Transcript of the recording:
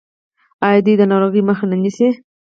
آیا دوی د ناروغیو مخه نه نیسي؟